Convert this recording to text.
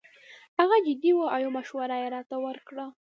هغه جدي وو او یو مشوره یې راته ورکړه.